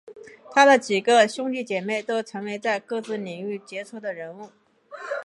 他的几个兄弟姐妹都成为在各自领域杰出的人物。